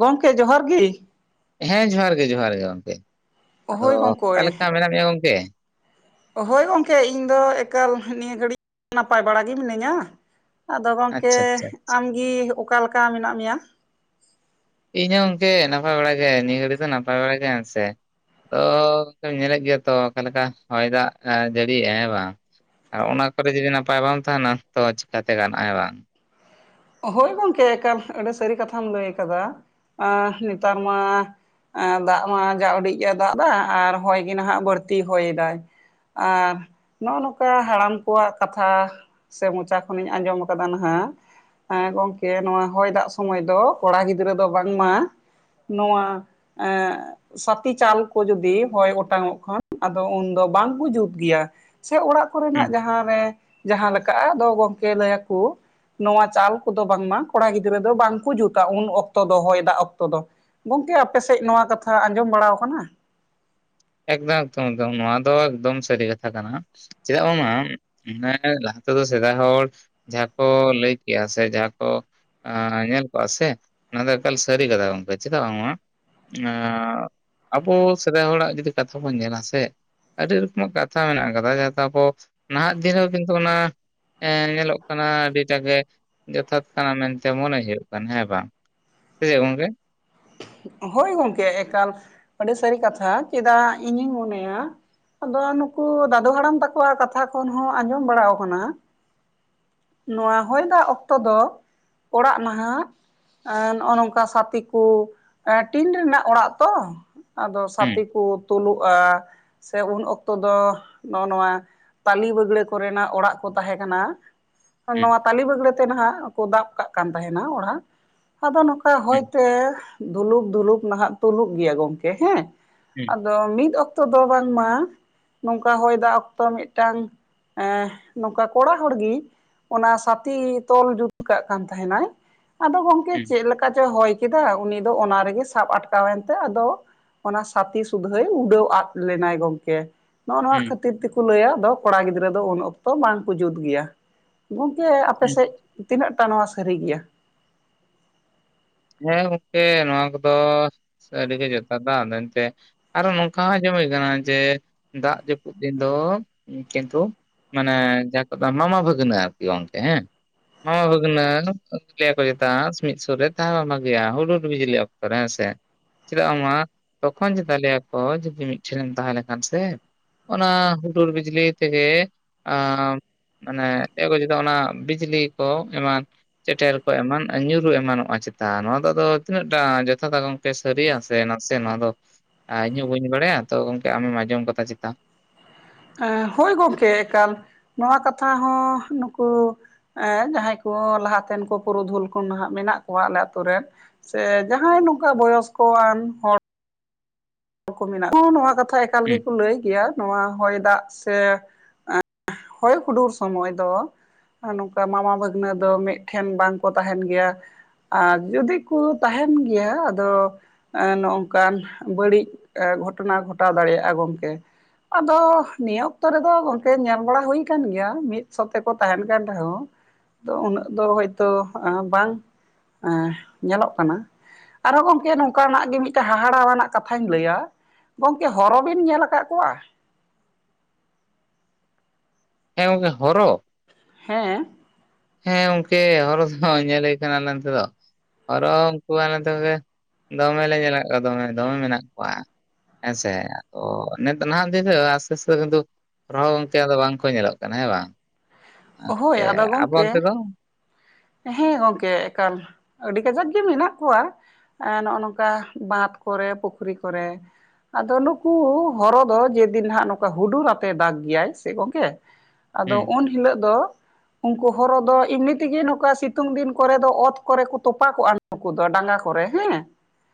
ᱜᱚᱝᱠᱮ ᱡᱚᱦᱟᱨ ᱜᱤ᱾ ᱦᱮᱸ ᱡᱚᱦᱟᱨ ᱜᱮ ᱡᱚᱦᱟᱨ ᱜᱮ ᱜᱚᱝᱠᱮ ᱟᱫᱚ ᱦᱳᱭ ᱚᱠᱟ ᱜᱚᱢᱠᱮ ᱞᱮᱠᱟ ᱢᱮᱱᱟᱜ ᱢᱮᱭᱟ ᱜᱚᱝᱠᱮ? ᱦᱳᱭ ᱜᱚᱝᱠᱮ ᱤᱧ ᱫᱚ ᱮᱠᱟᱞ ᱱᱤᱭᱟᱹ ᱜᱷᱟᱹᱲᱤᱡ ᱱᱟᱯᱟᱭ ᱵᱟᱲᱟ ᱜᱤ ᱢᱤᱱᱟᱹᱧᱟ᱾ ᱟᱫᱚ ᱜᱚᱝᱠᱮ ᱟᱪᱪᱷᱟ ᱟᱪᱪᱷᱟ ᱟᱢ ᱜᱤ ᱚᱠᱟ ᱞᱮᱠᱟ ᱢᱮᱱᱟᱜ ᱢᱤᱭᱟ? ᱤᱧ ᱦᱚᱸ ᱜᱚᱝᱠᱮ ᱱᱟᱯᱟᱭ ᱵᱟᱲᱟ ᱜᱮ ᱱᱤᱭᱟᱹ ᱜᱷᱟᱹᱲᱤᱡ ᱫᱚ ᱱᱟᱯᱟᱭ ᱵᱟᱲᱟ ᱜᱮ ᱦᱮᱸ ᱥᱮ᱾ ᱛᱚ ᱜᱚᱝᱠᱮ ᱧᱮᱞᱮᱫ ᱜᱮᱭᱟ ᱛᱚ ᱚᱠᱟ ᱞᱮᱠᱟ ᱦᱚᱭ ᱫᱟᱜᱽ ᱮ ᱡᱟᱹᱲᱤᱭᱮᱜ-ᱟᱭ ᱦᱮᱸ ᱵᱟᱝ᱾ ᱟᱨ ᱚᱱᱟ ᱠᱚᱨᱮ ᱡᱩᱫᱤ ᱱᱟᱯᱟᱭ ᱵᱟᱢ ᱛᱟᱦᱮᱱᱟ ᱛᱚ ᱪᱤᱠᱟ ᱛᱮ ᱜᱟᱱᱚᱜ-ᱟ ᱵᱟᱝ᱾ ᱦᱳᱭ ᱜᱚᱝᱠᱮ ᱮᱠᱟᱞ‌ ᱟᱹᱰᱤ ᱥᱟᱹᱨᱤ ᱠᱟᱛᱷᱟᱢ ᱞᱟᱹᱭ ᱠᱟᱫᱟ ᱟᱸ ᱱᱤᱛᱟᱨ ᱢᱟᱼᱼ ᱮᱸ ᱫᱟᱜ ᱢᱟ ᱡᱟ ᱩᱰᱤᱡ ᱮ ᱫᱟᱜ ᱫᱟ ᱟᱨ ᱦᱚᱭ ᱜᱤ ᱱᱟᱦᱟᱸᱜ ᱵᱟᱹᱲᱛᱤᱭ ᱦᱚᱭ ᱫᱟᱭ᱾ ᱟᱸᱨ ᱱᱚᱜ-ᱚ ᱱᱚᱝᱠᱟ ᱦᱟᱲᱟᱢ ᱠᱚᱣᱟᱜ ᱠᱟᱛᱷᱟᱼᱼ ᱥᱮ ᱢᱚᱪᱟ ᱠᱷᱚᱱᱤᱧ ᱟᱸᱡᱚᱢ ᱠᱟᱫᱟ ᱱᱟᱦᱟᱸᱜᱼᱼ ᱮᱸ ᱜᱚᱝᱠᱮ ᱱᱚᱣᱟ ᱦᱚᱭ ᱫᱟᱜ ᱥᱚᱢᱟᱹᱭ ᱫᱚ ᱠᱚᱲᱟ ᱜᱤᱫᱽᱨᱟᱹ ᱫᱚ ᱵᱟᱝ ᱢᱟᱼᱼ ᱱᱚᱣᱶ ᱮᱸᱜᱼᱼ ᱥᱟᱛᱤ ᱪᱟᱞ ᱠᱩ ᱡᱚᱫᱤ ᱦᱚᱭ ᱚᱴᱟᱝᱚᱜ ᱠᱷᱟᱱ ᱟᱫᱚ ᱩᱱᱫᱚ ᱵᱟᱝ ᱠᱩ ᱡᱩᱛ ᱜᱮᱭᱟ᱾ ᱥᱮ ᱚᱲᱟᱜ ᱠᱚᱨᱮ ᱦᱩᱸ ᱱᱟᱜ ᱡᱟᱦᱟᱸ ᱨᱮ ᱡᱟᱦᱟᱸ ᱞᱮᱠᱟᱜ-ᱟ ᱫᱚ ᱜᱚᱝᱠᱮ ᱞᱟᱹᱭᱟ ᱠᱩ ᱱᱚᱶᱟ ᱪᱟᱞᱼᱼ ᱠᱩᱫᱚ ᱵᱟᱝ ᱢᱟ ᱠᱚᱲᱟ ᱜᱤᱫᱽᱨᱟᱹ ᱫᱚ ᱵᱟᱝ ᱠᱩ ᱡᱩᱛᱟ ᱩᱱ ᱚᱠᱛᱚ ᱫᱚ ᱦᱚᱭ ᱫᱟᱜ ᱚᱠᱛᱚ ᱫᱚ᱾ ᱜᱚᱝᱠᱮ ᱟᱯᱮ ᱥᱮᱡ ᱱᱚᱶᱟ ᱠᱟᱛᱷᱟ ᱟᱸᱡᱚᱢ ᱵᱟᱲᱟᱣ ᱠᱟᱱᱟ? ᱮᱠᱫᱚᱢ ᱮᱠᱫᱚᱢ ᱮᱠᱫᱚᱢ ᱱᱚᱣᱟ ᱫᱚ ᱮᱠᱫᱚᱢ ᱥᱟᱹᱨᱤ ᱠᱟᱛᱷᱟ ᱠᱟᱱᱟ᱾ ᱪᱮᱫᱟᱜ ᱵᱟᱝᱢᱟ ᱢᱟᱱᱮ ᱞᱟᱦᱟ ᱛᱮᱫᱚ ᱥᱮᱫᱟᱭ ᱦᱚᱲ ᱡᱟᱦᱟᱸ ᱠᱚ ᱞᱟᱹᱭ ᱠᱮᱫᱟ ᱥᱮ ᱡᱟᱦᱟᱸ ᱠᱚ ᱧᱮᱞ ᱠᱚᱜᱼᱟ ᱥᱮ ᱚᱱᱟ ᱫᱚ ᱮᱠᱟᱞ ᱥᱟᱹᱨᱤ ᱠᱟᱛᱷᱟ᱾ ᱜᱚᱝᱠᱮ ᱪᱮᱫᱟᱜ ᱵᱟᱝᱢᱟ ᱮᱸ ᱟᱵᱚ ᱥᱮᱫᱟᱭ ᱦᱚᱲᱟᱜ ᱡᱩᱫᱤ ᱠᱟᱛᱷᱟ ᱵᱚᱱ ᱧᱮᱞᱟ ᱥᱮ ᱟᱹᱰᱤ ᱨᱚᱠᱚᱢᱟᱜ ᱠᱟᱛᱷᱟ ᱢᱮᱱᱟᱜ ᱠᱟᱫᱟ ᱡᱟᱦᱟᱸᱛᱮ ᱟᱵᱚ ᱱᱟᱦᱟᱜ ᱫᱤᱱ ᱨᱮ ᱠᱤᱱᱛᱩ ᱚᱱᱟ ᱮᱸ ᱧᱮᱞᱚᱜ ᱠᱟᱱᱟ ᱟᱹᱰᱤᱴᱟᱜ ᱜᱮ ᱡᱚᱛᱷᱟᱛ ᱠᱟᱱᱟ ᱢᱮᱱᱛᱮ ᱢᱚᱱᱮ ᱦᱩᱭᱩᱜ ᱠᱟᱱᱟ ᱦᱮᱸ ᱵᱟᱝ? ᱥᱮ ᱪᱮᱜ ᱜᱚᱝᱠᱮ? [unintelligible] ᱦᱳᱭ ᱜᱚᱝᱠᱮ ᱮᱠᱟᱞ ᱟᱹᱰᱤ ᱥᱟᱹᱨᱤ ᱠᱟᱛᱷᱟ ᱪᱮᱫᱟᱜ ᱤᱧᱤᱧ ᱢᱚᱱᱮᱭᱟ ᱟᱫᱚ ᱱᱩᱠᱩ ᱫᱟᱫᱩ ᱦᱟᱲᱟᱢ ᱛᱟᱠᱚᱣᱟᱜ ᱠᱟᱛᱷᱟ ᱠᱷᱚᱱ ᱦᱚᱸ ᱟᱸᱡᱚᱢ ᱵᱟᱲᱟᱮ ᱠᱟᱱᱟ ᱱᱚᱣᱟ ᱦᱚᱭ ᱫᱟᱜ ᱚᱠᱛᱚ ᱫᱚ ᱚᱲᱟᱜ ᱱᱟᱦᱟᱜ ᱱᱚᱜᱼᱚ ᱱᱚᱝᱠᱟ ᱥᱟᱛᱤ ᱠᱩ ᱮᱸ ᱴᱤᱱ ᱨᱮᱱᱟᱜ ᱚᱲᱟᱜ ᱛᱚ ᱟᱫᱚ ᱥᱟᱛᱤ ᱦᱩᱸ ᱠᱩ ᱛᱩᱞᱩᱜᱼᱟ᱾ ᱥᱮ ᱩᱱ ᱚᱠᱛᱚ ᱫᱚ ᱱᱚᱜᱼᱚ ᱱᱚᱣᱟ ᱛᱟᱞᱤ ᱵᱟᱹᱜᱲᱟᱹ ᱠᱚᱨᱮᱱᱟᱜ ᱚᱲᱟᱜ ᱠᱚ ᱛᱟᱦᱮᱸ ᱠᱟᱱᱟ᱾ ᱦᱩᱸ ᱱᱚᱣᱟ ᱛᱟᱞᱤ ᱵᱟᱹᱜᱽᱲᱟᱹ ᱛᱮ ᱱᱟᱦᱟᱜ ᱠᱚ ᱫᱟᱵ ᱠᱟᱜ ᱠᱟᱱ ᱛᱟᱦᱮᱱᱟ ᱚᱲᱟᱜ ᱟᱫᱚ ᱱᱚᱠᱟ ᱦᱩᱸ ᱦᱚᱭᱛᱮ ᱫᱷᱩᱞᱩᱯ ᱫᱷᱩᱞᱩᱯ ᱱᱟᱦᱟᱜ ᱛᱩᱞᱩᱜ ᱜᱮᱭᱟ ᱜᱚᱝᱠᱮ ᱦᱮᱸ᱾ ᱦᱩᱸ ᱟᱫᱚ ᱢᱤᱫ ᱚᱠᱛᱚ ᱫᱚ ᱵᱟᱝᱢᱟ ᱱᱚᱝᱠᱟ ᱦᱚᱭ ᱫᱟᱜ ᱚᱠᱛᱚ ᱢᱤᱜᱴᱟᱝ ᱮᱸ ᱱᱚᱝᱠᱟ ᱠᱚᱲᱟ ᱦᱚᱲ ᱜᱤ ᱚᱱᱟ ᱥᱟᱛᱤ ᱛᱚᱞ ᱡᱩᱫ ᱠᱟᱜ ᱠᱟᱱ ᱛᱟᱦᱮᱱᱟᱭ᱾ ᱟᱫᱚ ᱜᱚᱝᱠᱮ ᱦᱩᱸ ᱪᱮᱜ ᱞᱮᱠᱟ ᱪᱚ ᱦᱚᱭ ᱠᱮᱫᱟ ᱩᱱᱤ ᱫᱚ ᱚᱱᱟ ᱨᱮᱜᱮ ᱥᱟᱵ ᱟᱴᱠᱟᱣᱮᱱᱛᱮ ᱟᱫᱚ ᱚᱱᱟ ᱥᱟᱛᱤ ᱥᱩᱫᱷᱟᱹᱭ ᱩᱰᱟᱹᱣ ᱟᱫ ᱞᱮᱱᱟᱭ ᱜᱚᱢᱠᱮ᱾ ᱱᱚᱜᱼᱚ ᱱᱚᱣᱟ ᱦᱩᱸ ᱠᱷᱟᱹᱛᱤᱨ ᱛᱮᱠᱚ ᱞᱟᱹᱭᱟ ᱟᱫᱚ ᱠᱚᱲᱟ ᱜᱤᱫᱽᱨᱟᱹ ᱫᱚ ᱩᱱ ᱚᱠᱛᱚ ᱵᱟᱝᱠᱚ ᱡᱩᱛ ᱜᱮᱭᱟ᱾ ᱜᱚᱝᱠᱮ ᱦᱩᱸ ᱟᱯᱮᱥᱮᱜ ᱛᱤᱱᱟᱹᱜ ᱴᱟ ᱱᱚᱣᱟ ᱥᱟᱹᱨᱤ ᱜᱮᱭᱟ? ᱦᱮᱸ ᱜᱚᱝᱠᱮ ᱱᱚᱣᱟ ᱠᱚᱫᱚ ᱥᱟ. ᱨᱤ ᱜᱮ ᱡᱚᱛᱷᱟᱛᱟ ᱢᱮᱱᱛᱮ ᱟᱨᱚ ᱱᱚᱝᱠᱟ ᱟᱸᱡᱚᱢ ᱦᱩᱭ ᱠᱟᱱᱟ ᱡᱮ ᱫᱟᱜ ᱡᱟᱹᱯᱩᱫ ᱫᱤᱱ ᱫᱚ ᱠᱤᱱᱛᱩ ᱢᱟᱱᱮ ᱡᱟᱦᱟᱸ ᱠᱚ ᱫᱚ ᱢᱟᱢᱟ ᱵᱷᱟᱹᱜᱽᱱᱟᱹ ᱟᱨᱠᱤ ᱜᱚᱝᱠᱮ ᱦᱮᱸ᱾ ᱦᱚᱸ ᱵᱷᱟ. ᱜᱽᱱᱟᱹ ᱚᱱᱛᱮ ᱞᱟᱹᱭᱟ ᱠᱚ ᱪᱮᱫᱟᱜ ᱥᱤᱢᱤᱫ ᱥᱩᱨᱮᱛ ᱛᱟᱦᱮᱸ ᱵᱟᱝ ᱵᱷᱟᱜᱮᱭᱟ ᱦᱩᱰᱩᱨ ᱵᱤᱡᱽᱞᱤ ᱚᱠᱛᱚ ᱨᱮ ᱦᱮᱸ ᱥᱮ? ᱪᱮᱫᱟᱜ ᱵᱟᱝ ᱢᱟ ᱛᱚᱠᱷᱚᱱ ᱪᱮᱛᱟ ᱞᱮᱭᱟ ᱠᱷᱚᱡᱽ ᱡᱩᱫᱤ ᱢᱤᱫ ᱴᱷᱮᱱ ᱞᱟᱝ ᱛᱟᱦᱮᱸ ᱞᱮᱱᱠᱷᱟᱱ ᱥᱮ ᱚᱱᱟ ᱦᱩᱰᱩᱨ ᱵᱤᱡᱽᱞᱤ ᱛᱮᱜᱮ ᱟᱸ ᱢᱟᱱᱮ ᱪᱮᱫ ᱠᱚ ᱪᱮᱛᱟ ᱚᱱᱟ ᱵᱤᱡᱽᱞᱤ ᱠᱚ ᱮᱢᱟᱱ ᱪᱮᱴᱮᱨ ᱠᱚ ᱮᱢᱟᱱ ᱧᱩᱨᱩ ᱮᱢᱟᱱᱚᱜᱼᱟ ᱪᱮᱛ ᱛᱟ ᱱᱚᱣᱟ ᱫᱚ ᱟᱫᱚ ᱛᱤᱱᱟᱹᱜ ᱴᱟ ᱡᱚᱛᱷᱟᱛᱟ ᱜᱚᱝᱠᱮ ᱥᱟᱹᱨᱤᱭᱟ ᱥᱮ ᱱᱟᱥᱮ ᱱᱚᱣᱟ ᱫᱚ ᱟ ᱤᱧ ᱦᱚᱸ ᱵᱟᱹᱧ ᱵᱟᱲᱟᱭᱟ ᱛᱚ ᱜᱚᱝᱠᱮ ᱟᱢᱮᱢ ᱟᱸᱡᱚᱢ ᱠᱟᱫᱟ ᱪᱮᱛᱟ? ᱮᱸ ᱦᱳᱭ ᱜᱚᱝᱠᱮ ᱮᱠᱟᱞ ᱱᱚᱣᱟ ᱠᱟᱛᱷᱟ ᱦᱚᱸ ᱱᱩᱠᱩ ᱮᱸ ᱡᱟᱦᱟᱸᱭ ᱠᱚ ᱞᱟᱦᱟᱛᱮᱱ ᱠᱚ ᱯᱩᱨᱩᱫᱷᱩᱞ ᱠᱚ ᱱᱟᱦᱟᱜ ᱢᱮᱱᱟᱜ ᱠᱚᱣᱟ ᱟᱞᱮ ᱟᱛᱩ ᱨᱮᱱ᱾ ᱥᱮ ᱡᱟᱦᱟᱸᱭ ᱱᱚᱝᱠᱟ ᱵᱚᱭᱚᱥ ᱠᱚᱣᱟᱱ ᱦᱚᱲ ᱠᱚ ᱢᱮᱱᱟᱜ ᱠᱩ ᱱᱚᱣᱟ ᱠᱟᱛᱷᱟ ᱮᱠᱟᱞ ᱦᱩᱸ ᱜᱮᱠᱚ ᱞᱟᱹᱭ ᱜᱮᱭᱟ᱾ ᱱᱚᱣᱟ ᱦᱚᱭ ᱫᱟᱜ ᱥᱮ ᱮᱸ ᱦᱚᱭ ᱦᱩᱰᱩᱨ ᱥᱚᱢᱚᱭ ᱫᱚ ᱟ ᱱᱚᱝᱠᱟ ᱢᱟᱢᱟ ᱵᱷᱟᱹᱜᱽᱱᱟᱹ ᱫᱚ ᱢᱤᱫ ᱴᱷᱮᱱ ᱵᱟᱝᱠᱚ ᱛᱟᱦᱮᱱ ᱜᱮᱭᱟ᱾ ᱟᱨ ᱡᱩᱫᱤ ᱠᱩ ᱛᱟᱦᱮᱱ ᱜᱮᱭᱟ ᱟᱫᱚ ᱮᱸ ᱱᱚᱜᱼᱚᱠᱟᱱ ᱵᱟᱹᱲᱤᱡ ᱮ ᱜᱷᱚᱴᱚᱱᱟ ᱜᱷᱚᱴᱟᱣ ᱫᱟᱲᱮᱭᱟᱜᱼᱟ ᱜᱚᱝᱠᱮ᱾ ᱟᱫᱚ ᱱᱤᱭᱟᱹ ᱚᱠᱛᱚ ᱨᱮᱫᱚ ᱜᱚᱝᱠᱮ ᱧᱮᱞ ᱵᱟᱲᱟ ᱦᱩᱭ ᱠᱟᱱ ᱜᱮᱭᱟ ᱢᱤᱫ ᱥᱚᱛᱮᱠᱚ ᱛᱟᱦᱮᱱ ᱠᱟᱱ ᱨᱮᱦᱚᱸ ᱛᱚ ᱩᱱᱟᱹᱜ ᱫᱚ ᱦᱚᱭᱛᱚ ᱵᱟᱝ ᱮᱸ ᱧᱮᱞᱚᱜ ᱠᱟᱱᱟ ᱟᱨᱦᱚᱸ ᱜᱚᱝᱠᱮ ᱱᱚᱝᱠᱟᱱᱟᱜ ᱜᱮ ᱢᱤᱫ ᱴᱮᱱ ᱦᱟᱦᱟᱲᱟᱣᱟᱱᱟᱜ ᱠᱟᱛᱷᱟᱧ ᱞᱟᱹᱭᱟ ᱜᱚᱝᱠᱮ ᱦᱚᱨᱚ ᱵᱤᱱ ᱧᱮᱞ ᱟᱠᱟᱜ ᱠᱚᱣᱟ? ᱦᱮᱸ ᱜᱚᱝᱠᱮ ᱦᱚᱨᱚ᱾ ᱦᱮᱸ ᱦᱮᱸ ᱜᱚᱝᱠᱮ ᱦᱚᱨᱚ ᱫᱚ ᱧᱮᱞ ᱦᱩᱭᱩᱜ ᱠᱟᱱᱟ ᱟᱞᱮ ᱚᱱᱛᱮ ᱫᱚ᱾ ᱦᱚᱨᱚ ᱩᱱᱠᱩᱣᱟᱜ ᱱᱟ. ᱛᱩ ᱥᱮᱫ ᱫᱚᱢᱮ ᱞᱮ ᱧᱮᱞ ᱟᱠᱟᱫᱟ ᱠᱚᱣᱟ ᱫᱚᱢᱮᱼᱫᱚᱢᱮ ᱢᱮᱱᱟᱜ ᱠᱚᱣᱟ᱾ ᱦᱮᱸᱥᱮ ᱟᱫᱚ ᱱᱤᱛ ᱦᱟᱸᱜ ᱫᱷᱤᱨᱟ‌ᱹᱜᱼᱟ ᱥᱮᱥᱮᱫ ᱫᱩᱜᱽ ᱦᱚᱨᱚ ᱜᱚᱝᱠᱮ ᱟᱫᱚ ᱵᱟᱝ ᱠᱚ ᱧᱮᱞᱚᱜ ᱠᱟᱱᱟ ᱦᱮᱸ ᱵᱟᱝ ᱦᱳᱭ ᱟᱫᱚ ᱟᱵᱚ ᱚᱱᱛᱮ ᱜᱚᱝᱠᱮ ᱫᱚ ᱦᱮᱸ ᱜᱚᱝᱠᱮ ᱮᱠᱟᱞ ᱟᱹᱰᱤ ᱠᱟᱡᱟᱠ ᱜᱮ ᱢᱮᱱᱟᱜ ᱠᱚᱣᱟ ᱮᱸ ᱱᱚᱜᱼᱚ ᱱᱚᱝᱠᱟ ᱵᱟᱸᱫ ᱠᱚᱨᱮ ᱯᱩᱠᱷᱨᱤ ᱠᱚᱨᱮ ᱟᱫᱚ ᱱᱩᱠᱩ ᱦᱚᱨᱚ ᱫᱚ ᱡᱮᱫᱤᱱ ᱦᱟᱸᱜ ᱱᱚᱝᱠᱟ ᱦᱩᱰᱩᱨ ᱟᱛᱮ ᱫᱟᱜᱽ ᱜᱮᱭᱟᱭ ᱥᱮ ᱜᱚᱝᱠᱮ [unintelligible] ᱟᱫᱚ ᱩᱱ ᱦᱤᱞᱚᱜ ᱫᱚ ᱩᱱᱠᱩ ᱦᱚᱨᱚ ᱫᱚ ᱮᱢᱱᱤ ᱛᱮᱜᱮ ᱱᱚᱝᱠᱟ ᱥᱤᱛᱩᱝ ᱫᱤᱱ ᱠᱚᱨᱮ ᱫᱚ ᱚᱛ ᱠᱚᱨᱮ ᱠᱚ ᱛᱚᱯᱟ ᱠᱚᱜᱼᱟ᱾ ᱱᱩᱠᱩ ᱫᱚ ᱰᱟᱸᱜᱟ ᱠᱚᱨᱮ ᱦᱮᱸ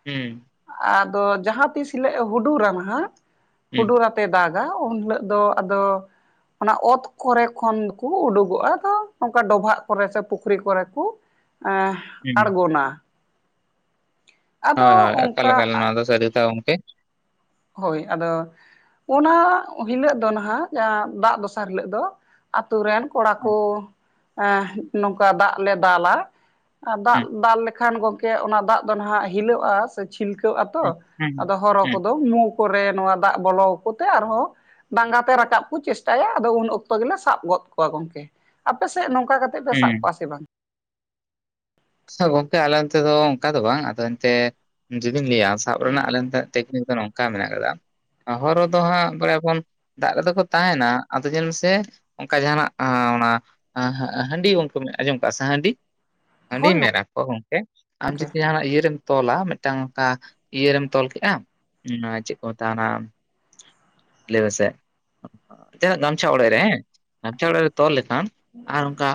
ᱦᱮᱸ ᱟᱫᱚ ᱡᱟᱦᱟᱸ ᱛᱤᱥ ᱦᱤᱞᱚᱜ ᱮ ᱦᱩᱰᱩᱨᱟᱱ ᱦᱟᱸᱜ ᱦᱩᱸ ᱦᱩᱰᱩᱨ ᱫᱟᱜᱟ ᱩᱱ ᱦᱤᱞᱚᱜ ᱫᱚ ᱟᱫᱚ ᱚᱱᱟ ᱚᱛ ᱠᱚᱨᱮ ᱠᱷᱚᱱ ᱠᱚ ᱩᱰᱩᱠᱚᱜᱼᱟ ᱟᱫᱚ ᱱᱚᱝᱠᱟ ᱰᱚᱵᱷᱟᱜ ᱠᱚᱨᱮ ᱥᱮ ᱯᱩᱠᱷᱨᱤ ᱠᱚᱨᱮ ᱠᱚ ᱦᱩᱸ ᱟᱲᱜᱚᱱᱟ ᱦᱳᱭ ᱦᱳᱭ ᱚᱱᱠᱟ ᱮᱠᱟᱞᱼᱮᱠᱟᱞ ᱱᱚᱣᱟ ᱫᱚ ᱥᱟᱹᱨᱤ ᱛᱮ ᱜᱚᱢᱠᱮ ᱦᱳᱭ ᱟᱫᱚ ᱚᱱᱟ ᱦᱤᱞᱚᱜ ᱫᱚ ᱱᱟᱦᱟᱜ ᱡᱟᱦᱟᱸ ᱫᱟᱜ ᱫᱚᱥᱟᱨ ᱦᱤᱞᱚᱜ ᱫᱚ ᱟᱛᱩ ᱨᱮᱱ ᱠᱚᱲᱟ ᱠᱚ ᱮᱸ ᱱᱚᱝᱠᱟ ᱫᱟᱜ ᱞᱮ ᱫᱟᱞᱟ ᱟᱨ ᱫᱟᱜ ᱦᱩᱸ ᱫᱟᱞ ᱞᱮᱠᱷᱟᱱ ᱜᱚᱢᱠᱮ ᱚᱱᱟ ᱫᱟᱜ ᱫᱚ ᱱᱟᱦᱟᱜ ᱦᱤᱞᱟᱹᱜᱼᱟ ᱪᱷᱤᱞᱠᱟᱹᱣ ᱟᱛᱚ ᱦᱩᱸ ᱦᱩᱸ ᱟᱫᱚ ᱦᱚᱨᱚ ᱦᱩᱸ ᱠᱚᱫᱚ ᱢᱩ ᱠᱚᱨᱮ ᱱᱚᱣᱟ ᱫᱟᱜ ᱵᱚᱞᱚ ᱟᱠᱚᱛᱮ ᱟᱨᱦᱚᱸ ᱰᱟᱸᱜᱟᱛᱮ ᱨᱟᱠᱟᱵ ᱠᱚ ᱪᱮᱥᱴᱟᱭᱟ ᱟᱫᱚ ᱩᱱ ᱚᱠᱛᱚ ᱜᱮᱞᱮ ᱥᱟᱵ ᱜᱚᱫ ᱠᱚᱣᱟ ᱜᱚᱝᱠᱮ ᱟᱯᱮᱥᱮᱫ ᱱᱚᱝᱠᱟ ᱠᱟᱛᱮ ᱯᱮ ᱥᱟᱵ ᱦᱩᱸ ᱠᱚᱣᱟ ᱥᱮ ᱵᱟᱝ? [unintelligible] ᱜᱚᱝᱠᱮ ᱟᱞᱮ ᱚᱱᱛᱮ ᱫᱚ ᱚᱱᱠᱟ ᱫᱚ ᱵᱟᱝ ᱟᱫᱚ ᱮᱱᱛᱮ ᱡᱩᱫᱤᱧ ᱞᱟᱹᱭᱟ ᱥᱟᱵ ᱨᱮᱱᱟᱜ ᱟᱞᱮ ᱱᱚᱱᱛᱮ ᱴᱮᱠᱱᱤᱠ ᱫᱚ ᱱᱚᱝᱠᱟ ᱢᱮᱱᱟᱜ ᱟᱠᱟᱫᱟ ᱦᱚᱨᱚ ᱫᱚ ᱦᱟᱸᱜ ᱵᱟᱲᱟᱭ ᱟᱵᱚᱱ ᱫᱟᱜ ᱨᱮᱫᱚ ᱠᱚ ᱛᱟᱦᱮᱱᱟ ᱟᱫᱚ ᱪᱮᱞ ᱢᱮᱥᱮ ᱚᱱᱠᱟ ᱡᱟᱦᱟᱱᱟᱜ ᱚᱱᱟ ᱦᱟᱹᱸ ᱦᱟᱹᱸ ᱦᱟᱹᱸᱰᱤ ᱜᱚᱢᱠᱮᱢ ᱟᱸᱡᱚᱢ ᱠᱟᱜᱼᱟ ᱥᱮ ᱦᱟᱺᱰᱤ ᱦᱟᱺ ᱦᱳᱭ ᱢᱮᱨᱟ ᱠᱚ ᱜᱚᱢᱠᱮ ᱟᱢ ᱜᱚᱝᱠᱮ ᱡᱩᱫᱤ ᱦᱟᱱᱮ ᱤᱭᱟᱹᱨᱮᱢ ᱛᱚᱞᱟ ᱢᱤᱫᱴᱟᱝ ᱚᱱᱠᱟ ᱤᱭᱟᱹ ᱨᱮᱢ ᱛᱚᱞ ᱠᱮᱜᱼᱟ ᱪᱮᱫ ᱠᱚ ᱢᱮᱛᱟᱜᱼᱟ ᱚᱱᱟ [unintelligible] ᱥᱮ ᱪᱮᱫᱟᱜ ᱜᱟᱢᱪᱷᱟ ᱚᱲᱮᱡ ᱦᱮᱸ ᱜᱟᱢᱪᱷᱟ ᱚᱲᱮᱡ ᱛᱳᱞ ᱞᱮ [unintelligible] ᱟᱨ ᱚᱱᱠᱟ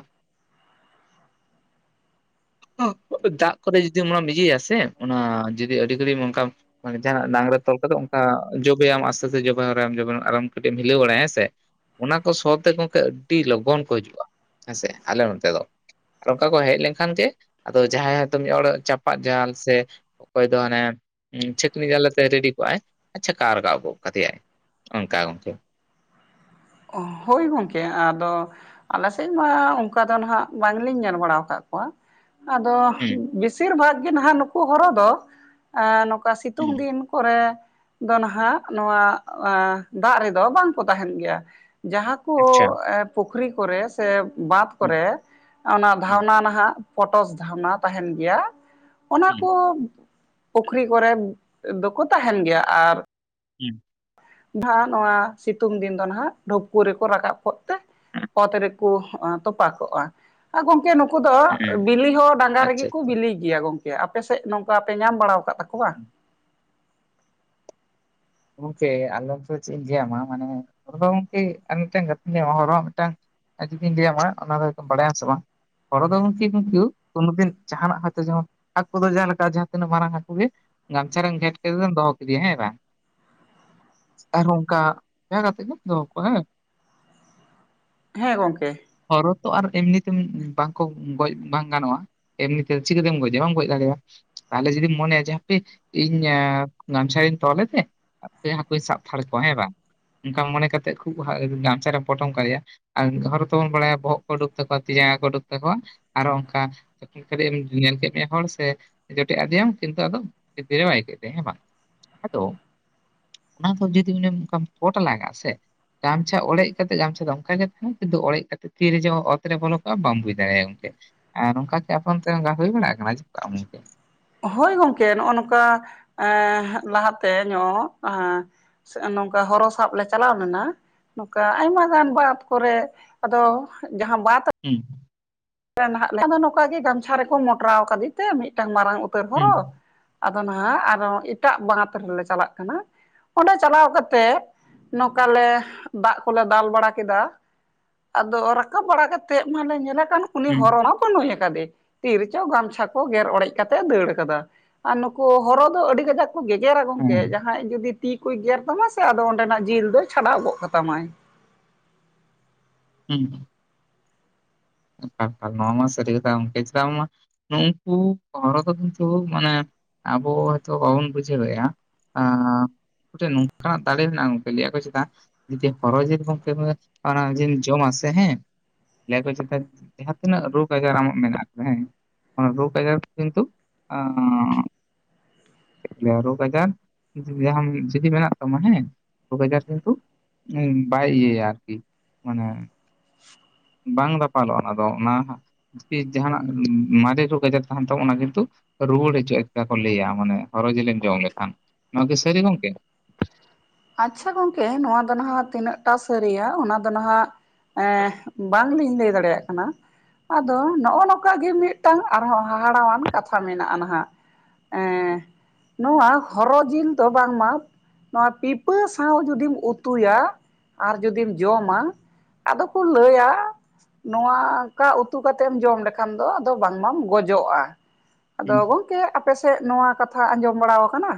[unintelligible] ᱫᱟᱜ ᱠᱚᱨᱮ ᱡᱩᱫᱤ ᱚᱱᱟᱢ ᱤᱭᱟᱹᱭᱟ ᱥᱮ ᱚᱱᱟ ᱡᱩᱫᱤ ᱟᱹᱰᱤ ᱜᱷᱟᱹᱲᱤ ᱚᱱᱠᱟᱢ ᱢᱟᱱᱮ ᱱᱮᱛᱟᱨᱟᱜ ᱰᱟᱝᱨᱟ ᱛᱚᱞ ᱠᱟᱫᱚ ᱚᱱᱠᱟ ᱡᱚᱵᱮᱭᱟᱢ ᱟᱥᱛᱮ ᱟᱥᱛᱮ ᱡᱚᱵᱮ ᱦᱚᱨᱟᱭᱟᱢ ᱟᱨᱦᱚ ᱠᱟᱹᱴᱤᱡ ᱮᱢ ᱦᱤᱞᱟᱹᱣ ᱵᱟᱲᱟᱭᱟ ᱦᱮᱸ ᱥᱮ ᱚᱱᱟ ᱠᱚ ᱥᱚ ᱛᱮ ᱜᱚᱢᱠᱮ ᱟᱹᱰᱤ ᱞᱚᱜᱚᱱ ᱠᱚ ᱦᱤᱡᱩᱜᱼᱟ ᱦᱮᱸᱥᱮ ᱟᱞᱮ ᱱᱚᱛᱮ ᱫᱚ ᱚᱱᱠᱟ ᱠᱚ ᱦᱮᱡ ᱞᱮᱱᱠᱷᱟᱱ ᱜᱮ ᱟᱫᱚ ᱡᱟᱦᱟᱸᱭ ᱦᱚᱛᱚ ᱢᱤᱫ ᱦᱚᱲ ᱪᱟᱯᱟᱫ ᱡᱟᱞ ᱥᱮ ᱚᱠᱚᱭ ᱫᱚ ᱦᱟᱱᱮ ᱪᱷᱟᱹᱠᱱᱤ ᱡᱟᱞ ᱟᱛᱮᱜ ᱨᱮᱰᱤ ᱠᱚᱜᱼᱟᱭ ᱟᱨ ᱪᱷᱟᱠᱟᱣ ᱨᱟᱠᱟᱵ ᱜᱚᱜ ᱠᱟᱫᱮᱭᱟᱭ ᱚᱱᱠᱟ ᱜᱚᱢᱠᱮ ᱦᱳᱭ ᱜᱚᱢᱠᱮ ᱟᱫᱚ ᱟᱞᱮ ᱥᱮᱫ ᱢᱟ ᱚᱱᱠᱟ ᱫᱚ ᱱᱟᱦᱟᱜ ᱵᱟᱝᱞᱤᱧ ᱧᱮᱞ ᱵᱟᱲᱟ ᱠᱟᱫ ᱠᱚᱣᱟ ᱟᱫᱚ ᱦᱩᱸ ᱵᱮᱥᱤᱨ ᱵᱷᱟᱜᱽ ᱜᱮ ᱱᱟᱦᱟᱜ ᱱᱩᱠᱩ ᱦᱚᱨᱚ ᱫᱚ ᱟᱸ ᱱᱚᱝᱠᱟ ᱦᱩᱸ ᱥᱤᱛᱩᱝ ᱫᱤᱱ ᱠᱚᱨᱮ ᱫᱚ ᱱᱟᱦᱟᱜ ᱱᱚᱣᱟ [inaudible] ᱫᱟᱜ ᱨᱮᱫᱚ ᱵᱟᱝᱠᱚ ᱛᱟᱦᱮᱱ ᱜᱮᱭᱟ ᱡᱟᱦᱟ ᱠᱩ ᱟᱪᱪᱷᱟ [unintelligible] ᱯᱩᱠᱷᱨᱤ ᱠᱚᱨᱮ ᱥᱮ ᱵᱟᱫᱽ ᱦᱩᱸ ᱠᱚᱨᱮ ᱚᱱᱟ ᱦᱩᱸ ᱫᱷᱟᱣᱱᱟ ᱱᱟᱦᱟᱜ ᱯᱚᱴᱚᱥ ᱫᱷᱟᱣᱱᱟ ᱛᱟᱦᱮᱱ ᱜᱮᱭᱟ ᱚᱱᱟ ᱦᱩᱸ ᱠᱚ ᱯᱩᱠᱷᱨᱤ ᱠᱚᱨᱮ ᱫᱚᱠᱚ ᱛᱟᱦᱮᱱ ᱜᱮᱭᱟ ᱟᱨ [inaudible] ᱫᱷᱟᱸ ᱱᱚᱶᱟ ᱥᱤᱛᱩᱝ ᱫᱤᱱ ᱫᱚ ᱱᱟᱦᱟᱜ ᱰᱷᱩᱯᱠᱩ ᱨᱮᱠᱚ ᱨᱟᱠᱟᱵ ᱠᱚᱜ ᱛᱮ ᱚᱛ ᱨᱮᱠᱚ [unintelligible] ᱛᱚᱯᱟ ᱠᱚᱜᱼᱟ ᱟᱨ ᱜᱚᱝᱠᱮ ᱱᱩᱠᱩ ᱫᱚ ᱦᱩᱸ ᱵᱤᱞᱤ ᱦᱚᱸ ᱰᱟᱸᱜᱟ ᱨᱮᱜᱮ ᱟᱪᱪᱷᱟ ᱠᱚ ᱟᱪᱪᱷᱟ ᱵᱤᱞᱤ ᱤᱭᱟ ᱜᱚᱝᱠᱮ ᱟᱯᱮᱥᱮᱫ ᱱᱚᱝᱠᱟ ᱯᱮ ᱧᱟᱢ ᱵᱟᱲᱟᱣ ᱠᱟᱫ ᱛᱟᱠᱚᱣᱟ ᱜᱚᱢᱠᱮ ᱟᱞᱚᱯ ᱪᱮᱫ ᱤᱧ ᱞᱟᱹᱭ ᱟᱢᱟ ᱢᱟᱱᱮ ᱱᱚᱰᱮ ᱫᱚ ᱜᱚᱝᱠᱮ ᱟᱨ ᱢᱤᱫᱴᱟᱝ ᱜᱟᱛᱮ [unintelligible] ᱦᱚᱲ ᱦᱚᱸ ᱢᱤᱫᱴᱟᱝ ᱨᱮ ᱡᱩᱫᱤᱧ ᱞᱟᱹᱭ ᱟᱢᱟ ᱚᱱᱟ ᱫᱚ ᱦᱚᱭᱛᱚᱢ ᱵᱟᱲᱟᱭᱟᱢ ᱥᱮ ᱵᱟᱝ [unintelligible] ᱫᱚ ᱜᱚᱢᱠᱮ ᱠᱤᱱᱛᱩ [unintelligible] ᱫᱤᱱ ᱡᱟᱦᱟᱱᱟᱜ ᱦᱚᱭᱛᱚ ᱡᱮᱢᱚᱱ ᱦᱟᱹᱠᱩ ᱫᱚ ᱡᱟᱦᱟᱸ ᱞᱮᱠᱟ ᱡᱟᱦᱟᱸ ᱛᱤᱱᱟᱹᱜ ᱢᱟᱨᱟᱝ ᱦᱟᱹᱠᱩ ᱜᱮ ᱜᱟᱢᱪᱷᱟ ᱨᱮᱢ ᱜᱷᱮᱴ ᱠᱮᱫᱮᱛᱮᱢ ᱫᱚᱦᱚ ᱠᱮᱫᱮᱭᱟ ᱦᱮᱸ ᱵᱟᱝ ᱟᱨ ᱚᱱᱠᱟ ᱡᱟᱸᱦᱟ ᱠᱟᱛᱮᱜ ᱜᱮᱢ ᱫᱚᱦᱚ ᱠᱚᱣᱟ ᱦᱮᱸ ᱦᱮᱸ ᱜᱚᱢᱠᱮ ᱦᱚᱨᱚ ᱛᱚ ᱟᱨ ᱮᱢᱱᱤ ᱛᱮ ᱵᱟᱠᱚ ᱜᱚᱡ ᱵᱟᱝ ᱜᱟᱱᱚᱜᱼᱟ ᱮᱢᱱᱤ ᱛᱮ ᱪᱤᱠᱟᱹᱛᱮᱢ ᱜᱚᱡᱮ ᱵᱟᱢ ᱜᱚᱡ ᱫᱟᱲᱮᱭᱟ ᱭᱟ ᱛᱟᱦᱚ ᱞᱮ ᱡᱩᱚᱫᱤ ᱢᱚᱱᱮᱭᱟ ᱡᱮ ᱦᱟᱯᱮ ᱤᱧ ᱜᱟᱢᱪᱷᱟ ᱛᱚᱞ [unintelligible] ᱮᱫᱮ ᱦᱟᱯᱮ ᱦᱟᱹᱠᱩᱭ ᱥᱟᱵᱛᱷᱟᱲ ᱠᱚᱣᱟ ᱦᱮᱸ ᱵᱟᱝ ᱚᱱᱠᱟ ᱢᱚᱱᱮ ᱠᱟᱛᱮᱜ ᱠᱷᱩᱵ ᱜᱟᱢᱪᱷᱟ ᱨᱮ ᱯᱚᱴᱚᱢ ᱠᱟᱫᱮᱭᱟᱭ ᱟᱨ ᱦᱚᱨᱚ ᱛᱚᱵᱚᱱ ᱵᱟᱲᱟᱭᱟ ᱵᱚᱦᱚᱜ ᱠᱚ ᱩᱰᱩᱠ ᱛᱟᱠᱚᱣᱟ ᱛᱤ ᱡᱟᱸᱜᱟ ᱠᱚ ᱩᱰᱩᱠ ᱛᱟᱠᱚᱣᱟ ᱟᱨᱦᱚᱸ ᱚᱱᱠᱟ [unintelligible] ᱮᱢ ᱧᱮᱞ ᱠᱮᱫ ᱛᱟᱭᱟ ᱦᱚᱲ ᱥᱮ ᱡᱚᱴᱮᱫ ᱟᱫᱮᱭᱟᱢ ᱠᱤᱱᱛᱩ ᱟᱫᱚ [unintelligible] ᱵᱟᱭ [unintelligible] ᱦᱮᱸ ᱵᱟᱝ [inaudible] ᱚᱱᱟ ᱠᱚ ᱡᱩᱫᱤ ᱩᱱᱤ ᱚᱱᱠᱟᱢ ᱯᱚᱴ ᱞᱟᱜᱟᱜ ᱟ ᱥᱮ ᱜᱟᱢᱪᱷᱟ ᱚᱲᱮᱡ ᱠᱟᱛᱮᱜ ᱜᱟᱢᱪᱷᱟ ᱫᱚ ᱚᱱᱠᱟ ᱜᱮ ᱛᱟᱦᱮᱱᱟ ᱠᱤᱱᱛᱩ ᱚᱲᱮᱡ ᱠᱟᱛᱮᱜ ᱛᱤᱨᱮ ᱡᱮ ᱚᱛ ᱨᱮ ᱵᱚᱞᱚ ᱠᱚᱜᱼᱟ ᱵᱟᱢ ᱰᱩᱡᱽ ᱫᱟᱲᱮᱭᱟᱭᱼᱟ ᱮᱱᱛᱮ ᱟᱨ ᱱᱚᱝᱠᱟ ᱜᱮ ᱟᱯᱮ ᱚᱱᱛᱮ ᱚᱱᱠᱟ ᱦᱩᱭ ᱵᱟᱲᱟ ᱠᱟᱱᱟ ᱪᱮ ᱵᱟᱝ ᱜᱚᱢᱠᱮ ᱦᱳᱭ ᱜᱚᱢᱠᱮ ᱱᱚᱜᱼᱚ ᱱᱚᱝᱠᱟ ᱮᱸ ᱞᱟᱦᱟᱛᱮ ᱧᱚᱜ [unintelligible] ᱱᱚᱝᱠᱟ ᱦᱚᱨᱚ ᱥᱟᱵ ᱞᱮ ᱪᱟᱞᱟᱣ ᱞᱮᱱᱟ ᱱᱚᱝᱠᱟ ᱟᱭᱢᱟ ᱜᱟᱱ ᱵᱟᱫ ᱠᱚᱨᱮ ᱟᱫᱚ ᱡᱟᱦᱟᱸ ᱵᱟᱫ ᱦᱮᱸ ᱱᱟᱦᱟᱜ ᱞᱮ ᱟᱫᱚ ᱱᱚᱝᱠᱟ ᱜᱮ ᱜᱟᱢᱪᱷᱟ ᱨᱮᱠᱚ ᱢᱚᱴᱨᱟᱣ ᱠᱟᱫᱮ ᱛᱮ ᱢᱤᱫᱴᱟᱝ ᱢᱟᱨᱟᱝ ᱩᱛᱟᱹᱨ ᱦᱩᱸ ᱦᱚᱨᱚᱜ ᱟᱫᱚ ᱱᱟᱦᱟᱜ ᱟᱨᱚ ᱮᱴᱟᱜ ᱵᱟᱸᱫᱷ ᱨᱮᱞᱮ ᱪᱟᱞᱟᱜ ᱠᱟᱱᱟ᱾ ᱚᱸᱰᱮ ᱪᱟᱞᱟᱣ ᱠᱟᱛᱮᱜ ᱱᱚᱝᱠᱟ ᱞᱮ ᱫᱟᱜ ᱠᱚᱞᱮ ᱫᱟᱞ ᱵᱟᱲᱟ ᱠᱮᱫᱟ᱾ ᱟᱫᱚ ᱨᱟᱠᱟᱵ ᱵᱟᱲᱟ ᱠᱟᱛᱮᱫ ᱢᱟᱞᱮ ᱧᱮᱞᱮ ᱠᱟᱱ ᱩᱱᱤ ᱦᱩᱸ ᱦᱚᱨᱚᱲᱟ᱾ ᱱᱩᱭ ᱟᱠᱟᱫᱮ ᱛᱤᱨ ᱪᱚ ᱜᱟᱢᱪᱷᱟ ᱠᱚ ᱜᱮᱨ ᱚᱲᱮᱡ ᱠᱟᱛᱮ ᱫᱟᱹᱲ ᱟᱠᱟᱫᱟ᱾ ᱟᱨ ᱱᱩᱠᱩ ᱦᱚᱨᱚ ᱫᱚ ᱟᱹᱰᱤ ᱠᱟᱡᱟᱠ ᱜᱮᱜᱨᱟ ᱦᱮᱸ ᱜᱚᱝᱠᱮ ᱡᱟᱦᱟᱸᱭ ᱡᱩᱫᱤ ᱛᱤ ᱠᱚᱭ ᱜᱮᱨ ᱛᱟᱢᱟ ᱥᱮ ᱟᱫᱚ ᱚᱸᱰᱮᱱᱟᱜ ᱡᱤᱞ ᱫᱚᱭ ᱪᱷᱟᱰᱟᱣ ᱜᱚᱫ ᱠᱟᱛᱟᱢᱟᱭ ᱦᱮᱸ ᱱᱚᱣᱟ ᱢᱟ ᱥᱟᱹᱨᱤ ᱠᱟᱛᱷᱟ ᱜᱚᱝᱠᱮ ᱪᱮᱫᱟᱜ ᱢᱟ ᱩᱱᱠᱩ ᱦᱚᱨ ᱫᱚ ᱠᱤᱱᱛᱩ ᱢᱟᱱᱮ ᱟᱵᱚ ᱦᱚᱭᱛᱳ ᱵᱟᱵᱚᱱ ᱵᱩᱡᱷᱟᱹᱣ ᱮᱜ-ᱟ᱾ ᱮᱱ ᱱᱚᱝᱠᱟᱱᱟᱜ ᱫᱟᱲᱮ ᱢᱮᱱᱟᱜ-ᱟ ᱞᱟᱹᱭᱟ ᱠᱚ ᱪᱮᱫᱟᱜ ᱡᱩᱫᱤ ᱦᱚᱨᱚ ᱡᱮᱞ [unintelligible] ᱡᱚᱢ ᱟᱥᱮ ᱦᱮᱸ ᱞᱟ. ᱭ ᱟᱠᱚ ᱡᱮ ᱡᱟᱦᱟᱸ ᱛᱤᱱᱟᱹᱜ ᱨᱳᱜᱽ ᱟᱡᱟᱨ ᱟᱢᱟᱜ ᱢᱮᱱᱟᱜᱫᱟ ᱦᱮᱸ ᱢᱟᱱᱮ ᱨᱳᱜ ᱟᱡᱟᱨ ᱠᱤᱱᱛᱩ ᱟ ᱪᱮᱫᱭᱟ ᱨᱳᱜᱽ ᱟᱡᱟᱨ ᱡᱟᱦ ᱡᱩᱫᱤ ᱢᱮᱱᱟᱜ ᱛᱟᱢᱟ ᱦᱮᱸ ᱨᱳᱜᱽ ᱟᱡᱟᱨ ᱠᱤᱱᱛᱩ ᱵᱟᱭ ᱤᱭᱟ. ᱭᱟ ᱟᱨᱠᱤ ᱢᱟᱱᱮ ᱵᱟᱝ ᱫᱟᱯᱟᱞᱚᱜ-ᱟ ᱚᱱᱟ ᱫᱚ ᱚᱱᱟ ᱡᱟᱦᱟᱱᱟᱜ ᱢᱟᱨᱮ ᱨᱚᱜᱽ ᱟᱡᱟᱨ ᱛᱟᱦᱮᱱ ᱛᱟᱵ ᱚᱱᱟ ᱠᱤᱱᱛᱩ ᱨᱩᱣᱟᱹᱲ ᱦᱚᱪᱚᱜ ᱪᱠᱟ ᱠᱚ ᱞᱟᱹᱭᱟ ᱢᱟᱱᱮ ᱦᱚᱨᱚ ᱡᱤᱞᱮᱢ ᱡᱚᱢ ᱞᱮᱠᱷᱟᱱ ᱱᱚᱣᱟ ᱠᱤ ᱥᱟᱹᱨᱤ ᱜᱚᱝᱠᱮ ᱟᱪᱪᱷᱟ ᱜᱚᱝᱠᱮ ᱱᱚᱣᱟ ᱫᱚ ᱱᱟᱦᱟᱜ ᱛᱤᱱᱟᱹᱜ ᱴᱟ ᱥᱟᱹᱨᱤᱭᱟ ᱚᱱᱟ ᱫᱚ ᱱᱟᱦᱟᱜ ᱮ ᱵᱟᱫ ᱵᱟᱝ ᱜᱮᱞᱤᱧ ᱞᱟᱹᱭ ᱫᱟᱲᱮᱭᱟᱜ ᱠᱟᱱᱟ᱾ ᱟᱫᱚ ᱱᱚᱜ-ᱚ ᱱᱚᱝᱠᱟ ᱜᱮ ᱢᱤᱫᱴᱟᱝ ᱟᱨᱦᱚᱸ ᱦᱟᱦᱟᱲᱟᱣᱟᱱ ᱠᱟᱛᱷᱟ ᱢᱮᱱᱟᱜ-ᱟ ᱱᱟᱦᱟᱜ᱾ ᱱᱚᱣᱟ ᱦᱚᱨᱚ ᱡᱤᱞ ᱫᱚ ᱵᱟᱝᱢᱟ ᱱᱚᱣᱟ ᱯᱤᱯ ᱩᱨᱟᱹ ᱥᱟᱶ ᱡᱩᱫᱤᱢ ᱩᱛᱩᱭᱟ ᱟᱨ ᱡᱩᱫᱤᱢ ᱡᱚᱢᱟ ᱟᱫᱚ ᱠᱚ ᱞᱟᱹᱭᱟ ᱱᱚᱠᱟ ᱩᱛᱩ ᱠᱟᱛᱮᱢ ᱡᱚᱢ ᱞᱮᱠᱷᱟᱱ ᱫᱚ ᱟᱫᱚ ᱵᱟᱝ ᱢᱟᱢ ᱜᱚᱡᱚᱜ-ᱟ᱾ ᱟᱫᱚ ᱜᱚᱝᱠᱮ ᱟᱯᱮᱥᱮᱫ ᱱᱚᱣᱟ ᱠᱟᱛᱷᱟ ᱟᱸᱡᱚᱢ ᱵᱟᱲᱟ ᱟᱠᱟᱱᱟ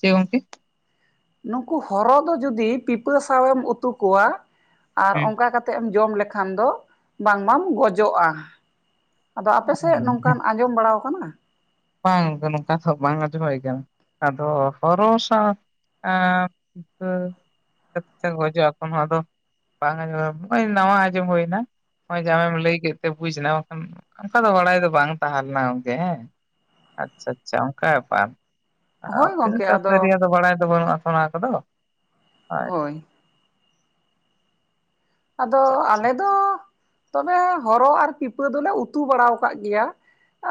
ᱪᱮ ᱜᱚᱝᱠᱮ ᱱᱩᱠᱩ ᱦᱚᱨᱚ ᱫᱚ ᱡᱩᱫᱤ ᱯᱤᱯᱟᱹ ᱥᱟᱶᱮᱢ ᱩᱛᱩ ᱠᱚᱣᱟ ᱟᱨ ᱚᱱᱠᱟ ᱠᱟᱛᱮ ᱠᱟᱛᱮᱮᱫ ᱮᱢ ᱡᱚᱢ ᱞᱮᱠᱷᱟᱱ ᱫᱚ ᱵᱟᱝ ᱵᱟᱢ ᱜᱚᱡᱚᱜ-ᱟ᱾ ᱟᱫᱚ ᱚ ᱟᱯᱮᱥᱮᱫ ᱱᱚᱝᱠᱟᱱ ᱟᱸᱡᱚᱢ ᱵᱟᱲᱟ ᱟᱠᱟᱱᱟ? ᱵᱟᱝ ᱜᱚᱝᱠᱮ ᱱᱚᱝᱠᱟ ᱫᱚ ᱵᱟᱝ ᱟᱸᱡᱚᱢ ᱦᱩᱭ ᱠᱟᱱᱟ ᱟᱫᱚ ᱦᱚᱨ ᱥᱟᱶ ᱮᱸ [unintelligible] ᱜᱚᱡᱚᱜ-ᱟ ᱠᱚ ᱱᱚᱣᱟ ᱫᱚ ᱵᱟᱝ ᱟᱸᱡᱚᱢ ᱦᱚᱜ-ᱚᱭ ᱱᱟᱣᱟ ᱟᱸᱡᱚᱢ ᱦᱩᱭᱱᱟ᱾ ᱱᱚᱜ-ᱚᱭ ᱡᱮ ᱟᱢᱮᱢ ᱞᱟᱹᱭ ᱠᱮᱜ ᱛᱮ ᱵᱩᱡᱽᱱᱟ ᱵᱟᱠᱷᱟᱱ ᱚᱝᱠᱟ ᱫᱚ ᱵᱟᱲᱟᱭ ᱫᱚ ᱵᱟᱝ ᱛᱟᱦᱮᱸ ᱞᱮᱱᱟ ᱜᱚᱝᱠᱮ ᱦᱮᱸ᱾ ᱟᱪᱷᱟ ᱟᱪᱷᱟ ᱚᱝᱠᱟ ᱵᱮᱯᱟᱨ ᱦᱳᱭ ᱛᱤᱱᱟᱹᱜ ᱜᱚᱝᱠᱮ ᱴᱟ ᱟᱫᱚ ᱥᱟᱹᱨᱤᱭᱟ ᱫᱚ ᱵᱟᱲᱟᱭ ᱫᱚ ᱵᱟᱹᱱᱩᱜ-ᱟ᱾ ᱚᱱᱟ ᱠᱚᱫᱚ ᱦᱳᱭ ᱟᱫᱚ ᱟᱞᱮ ᱫᱚ ᱛᱚᱵᱮ ᱦᱚᱨᱚ ᱟᱨ ᱯᱤᱯᱟᱹ ᱫᱚᱞᱮ ᱩᱛᱩ ᱵᱟᱲᱟᱣ ᱠᱟᱜ ᱜᱮᱭᱟ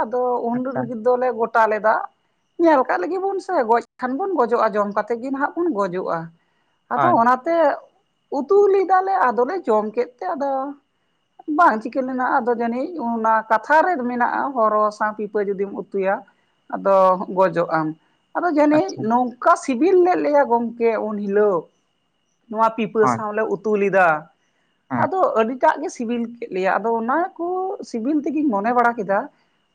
ᱟᱫᱚ ᱩᱱ ᱨᱤᱜ ᱫᱚᱞᱮ ᱜᱚᱴᱟ ᱞᱮᱫᱟ ᱧᱮᱞ ᱠᱟᱜ ᱞᱮᱜᱮᱵᱚᱱ ᱥᱮ ᱜᱚᱡ ᱠᱷᱟᱱ ᱵᱚᱱ ᱜᱚᱡᱚᱜ-ᱟ ᱡᱚᱢ ᱠᱟᱛᱮ ᱜᱮ ᱱᱟᱦᱟᱜ ᱵᱚᱱ ᱜᱚᱡᱚᱜ-ᱟ᱾ ᱟᱫᱚ ᱚᱱᱟᱛᱮ ᱩᱛᱩ ᱞᱮᱫᱟᱞᱮ ᱟᱫᱚᱞᱮ ᱡᱚᱢ ᱠᱮᱫ ᱛᱮ ᱟᱫᱚ ᱵᱟᱝ ᱪᱤᱠᱟᱹ ᱞᱮᱱᱟ ᱟᱫᱚ ᱡᱟᱹᱱᱤᱡ ᱚᱱᱟ ᱠᱟᱛᱷᱟ ᱨᱮ ᱢᱮᱱᱟᱜ-ᱟ ᱦᱚᱨᱚ ᱥᱟᱶ ᱯᱤᱯᱟᱹ ᱡᱩᱫᱤᱢ ᱩᱛᱩᱭᱟ ᱟᱫᱚ ᱜᱚᱡᱚᱜ ᱟᱢ᱾ ᱟᱫᱚ ᱡᱟᱹᱱᱤᱡ ᱟᱪᱪᱷᱟ ᱱᱚᱝᱠᱟ ᱥᱤᱵᱤᱞ ᱞᱮᱜ ᱞᱮᱭᱟ ᱜᱚᱝᱠᱮ ᱩᱱ ᱦᱤᱞᱳᱜ ᱱᱚᱣᱟ ᱯᱤᱯ ᱯᱟᱹ ᱦᱳᱭ, ᱥᱟᱶᱞᱮ ᱩᱛᱩ ᱞᱮᱫᱟ᱾ ᱦᱮᱸ, ᱟᱫᱚ ᱟᱹᱰᱤᱴᱟᱜ ᱜᱮ ᱥᱤᱵᱤᱞ ᱠᱮᱜ ᱞᱮᱭᱟ ᱟᱫᱚ ᱚᱱᱟ ᱠᱚ ᱥᱤᱵᱤᱞ ᱛᱮᱜᱤᱧ ᱢᱚᱱᱮ ᱵᱟᱲᱟ ᱠᱮᱫᱟ᱾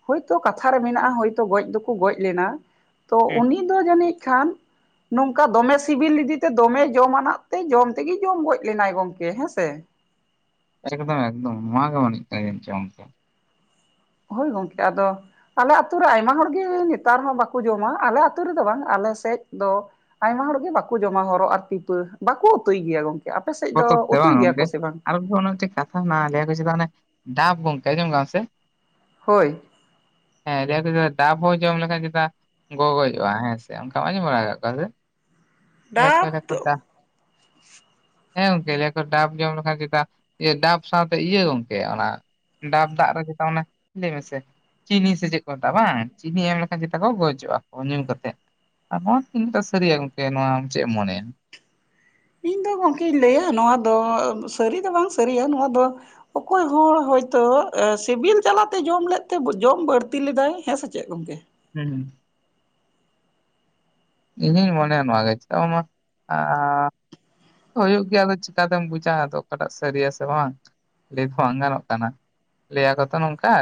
ᱦᱳᱭᱛᱚ ᱠᱟᱛᱷᱟ ᱨᱮ ᱢᱮᱱᱟᱜ-ᱟ ᱦᱳᱭᱛᱚ ᱜᱚᱡ ᱫᱚᱠᱚ ᱜᱚᱡ ᱞᱮᱱᱟ ᱛᱚ ᱦᱮᱸ, ᱩᱱᱤ ᱫᱚ ᱡᱟᱹᱱᱤᱡ ᱠᱷᱟᱱ ᱱᱚᱝᱠᱟ ᱫᱚᱢᱮ ᱥᱤᱵᱤᱞ ᱞᱤᱫᱤᱛᱮ ᱫᱚᱢᱮ ᱡᱚᱢᱟᱱᱟᱜ ᱛᱮ ᱡᱚᱢ ᱛᱮᱜᱮ ᱡᱚᱢ ᱜᱚᱡ ᱞᱮᱱᱟᱭ ᱜᱚᱝᱠᱮ ᱦᱮᱸᱥ ᱛᱮ ᱮᱠᱫᱚᱢ ᱮᱠᱫᱚᱢ ᱱᱚᱣᱟ ᱜᱮ ᱢᱚᱱᱮ ᱦᱩᱭᱩᱜ ᱠᱟᱱᱟ ᱡᱟᱹᱱᱤᱡ ᱪᱚᱝ ᱜᱚᱝᱠᱮ᱾ ᱦᱳᱭ ᱜᱚᱝᱠᱮ ᱟᱫᱚ ᱟᱞᱮ ᱟᱹᱛᱩ ᱨᱮ ᱟᱭᱢᱟ ᱦᱚᱲᱜᱮ ᱱᱮᱛᱟᱨ ᱦᱚᱸ ᱵᱟᱠᱚ ᱡᱚᱢᱟ᱾ ᱟᱞᱮ ᱟᱹᱛᱩ ᱨᱮᱫᱚ ᱵᱟᱝ ᱟᱞᱮ ᱥᱮᱜ ᱫᱚ ᱟᱭᱢᱟ ᱦᱚᱲᱜᱮ ᱵᱟᱠᱚ ᱡᱚᱢᱟ ᱦᱚᱨᱚ ᱟᱨ ᱯᱤᱯᱟᱹ ᱵᱟᱠᱚ ᱩᱛᱩᱭ ᱜᱮᱭᱟ ᱜᱚᱝ ᱵᱚᱛᱚᱨ ᱛᱮ ᱵᱟᱝ ᱜᱚᱝᱠᱮ ᱟᱨ [unintelligible] ᱠᱟᱛᱷᱟ ᱦᱮᱱᱟᱜᱼᱟ ᱞᱟᱹᱭᱟᱠᱚ ᱪᱮᱛᱟ ᱢᱟᱱᱮ ᱰᱟᱵ ᱜᱚᱝᱠᱮ ᱟᱸᱡᱚᱢ ᱠᱟᱜᱼᱟ ᱥᱮ? ᱦᱳᱭ ᱦᱮᱸ ᱞᱟᱹᱭᱟ ᱠᱚ ᱪᱮᱛᱟ ᱰᱟᱵ ᱦᱚᱸ ᱡᱚᱢ ᱞᱮᱠᱷᱟᱡ ᱪᱮᱛᱟ ᱜᱚᱜᱚᱡ ᱼᱟ ᱦᱮᱸ ᱥᱮ ᱚᱝᱠᱟᱢ ᱟᱸᱡᱚᱢ ᱵᱟᱲᱟ ᱠᱟᱜ ᱠᱚᱣᱟ ᱰᱟᱵ ᱫᱚ ᱥᱮ ᱦᱮᱸ ᱜᱚᱝᱠᱮ ᱞᱟᱹᱭᱟᱠᱚ ᱰᱟᱵ ᱡᱚᱢ ᱞᱮᱠᱷᱟᱱ ᱪᱮᱛᱟ ᱰᱟᱵ ᱥᱟᱶᱛᱮ ᱤᱭᱟᱹ ᱜᱚᱝᱠᱮ ᱚᱱᱟ ᱰᱟᱵ ᱫᱟᱜ ᱨᱮ ᱪᱮᱛᱟ ᱚᱱᱟ ᱞᱟᱹᱭ ᱢᱮᱥᱮ ᱪᱤᱱᱤ ᱥᱮ ᱪᱮᱜ ᱠᱚ ᱢᱮᱛᱟᱜᱼᱟ ᱵᱟᱝ ᱪᱤᱱᱤ ᱮᱢ ᱞᱮᱠᱷᱟᱱ ᱪᱮᱛᱟ ᱠᱚ ᱜᱚᱡᱚᱜᱼᱟ ᱠᱚ ᱧᱩ ᱠᱟᱛᱮᱜ᱾ ᱟᱨ ᱱᱚᱣᱟ ᱛᱤᱱᱟᱹᱜᱴᱟ ᱥᱟᱹᱨᱤᱭᱟ ᱜᱚᱝᱠᱮ ᱱᱚᱣᱟ ᱟᱢ ᱪᱮᱜ ᱮᱢ ᱢᱚᱱᱮᱭᱟ? ᱤᱧ ᱫᱚ ᱜᱚᱢᱠᱮᱧ ᱞᱟᱹᱭᱟ ᱱᱚᱣᱟ ᱫᱚ ᱥᱟᱹᱨᱤ ᱫᱚ ᱵᱟᱝ ᱥᱟᱹᱨᱤᱭᱟ ᱱᱚᱣᱟ ᱫᱚ ᱚᱠᱚᱭ ᱦᱚᱲ ᱦᱚᱭᱛᱚ ᱮ ᱥᱤᱵᱤᱞ ᱡᱟᱞᱟᱛᱮ ᱡᱚᱢ ᱞᱮᱜ ᱛᱮ ᱡᱚᱢ ᱵᱟᱹᱲᱛᱤ ᱞᱮᱫᱟᱭ ᱦᱮᱸ ᱥᱮ ᱪᱮᱫ ᱜᱚᱝᱠᱮ? ᱦᱩᱸ ᱤᱧᱦᱩᱧ ᱢᱚᱱᱮᱭᱟ ᱱᱚᱣᱟ ᱪᱮᱫᱟᱜ ᱵᱟᱝᱢᱟ ᱟᱻ ᱦᱩᱭᱩᱜ ᱜᱮᱭᱟ ᱟᱫᱚ ᱪᱤᱠᱟᱛᱮᱢ ᱵᱩᱡᱟ ᱟᱫᱚ ᱚᱠᱟᱴᱟᱜ ᱥᱟᱹᱨᱤᱭᱟ ᱥᱮ ᱵᱟᱝ᱾ ᱞᱟᱹᱭ ᱫᱚ ᱵᱟᱝ ᱜᱟᱱᱚᱜ ᱠᱟᱱᱟ ᱞᱟᱹᱭᱟᱠᱚ ᱛᱚ ᱱᱚᱝᱠᱟ